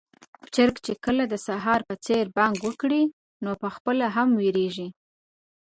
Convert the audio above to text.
چرګ چې کله د سهار په څېر بانګ وکړي، نو پخپله هم وېريږي.